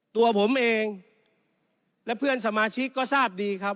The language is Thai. ตัวผมเองและเพื่อนสมาชิกก็ทราบดีครับ